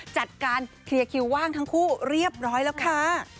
จัดการเคลียร์คิวว่างทั้งคู่เรียบร้อยแล้วค่ะ